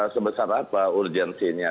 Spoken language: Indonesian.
sebesar apa urgensinya